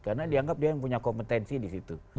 karena dianggap dia yang punya kompetensi di situ